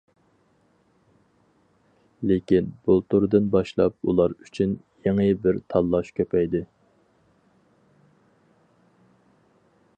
لېكىن بۇلتۇردىن باشلاپ ئۇلار ئۈچۈن يېڭى بىر تاللاش كۆپەيدى.